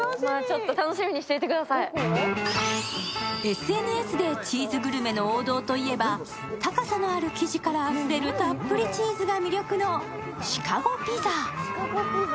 ＳＮＳでチーズグルメの王道といえば、高さのある生地からあふれるたっぷりチーズが魅力のシカゴピザ。